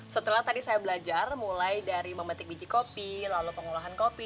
setelah tadi saya belajar mulai dari memetik biji kopi lalu pengolahan kopi